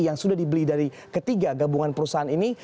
yang sudah dibeli dari ketiga gabungan perusahaan ini